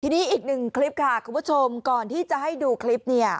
ทีนี้อีกหนึ่งคลิปค่ะคุณผู้ชมก่อนที่จะให้ดูคลิปเนี่ย